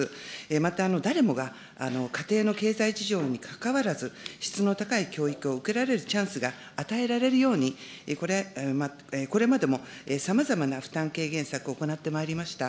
また、誰もが家庭の経済事情にかかわらず、質の高い教育を受けられるチャンスが与えられるように、これまでもさまざまな負担軽減策を行ってまいりました。